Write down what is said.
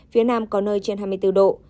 phía nam có nơi trên hai mươi bốn độ